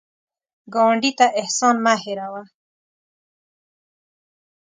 ګاونډي ته احسان مه هېر وهه